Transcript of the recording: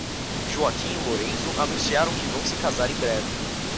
Joaquim e Lorenzo anunciaram que vão se casar em breve